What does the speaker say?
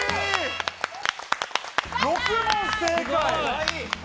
６問正解。